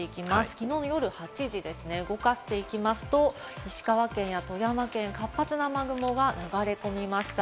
きのうの夜８時ですね、動かしていきますと、石川県や富山県、活発な雨雲が流れ込みました。